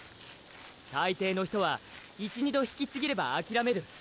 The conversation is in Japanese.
大抵の人は１２度ひきちぎれば諦める。